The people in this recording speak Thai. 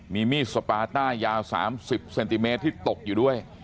มีมีดสปาต้ายาว๓๐เซนติเมตรที่ตกอยู่ด้วย